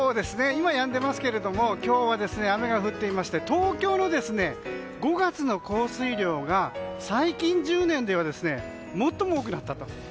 今、やんでいますけども今日は雨が降っていまして東京の５月の降水量が最近１０年では最も多くなったと。